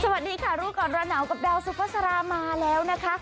สวัสดีค่ะรูปกรณ์ระหนาวกับดาวสุฟาสารามาแล้วนะคะ